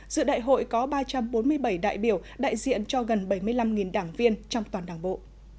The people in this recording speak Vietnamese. dự đại hội có ba trăm bốn mươi bảy đại biểu đại diện cho gần bảy mươi năm đảng viên trong toàn đảng bộ